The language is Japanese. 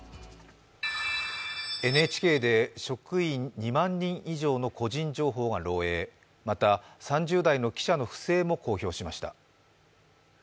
ＮＨＫで職員２万人以上の個人情報が漏えいまた、３０代の記者の不正も公表しました。